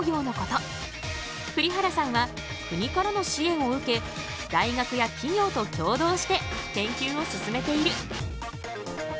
栗原さんは国からの支援を受け大学や企業と共同して研究を進めている。